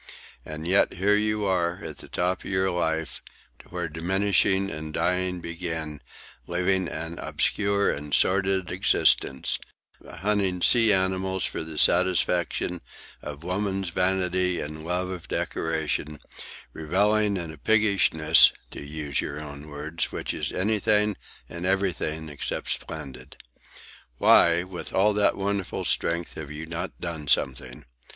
And yet here you are, at the top of your life, where diminishing and dying begin, living an obscure and sordid existence, hunting sea animals for the satisfaction of woman's vanity and love of decoration, revelling in a piggishness, to use your own words, which is anything and everything except splendid. Why, with all that wonderful strength, have you not done something?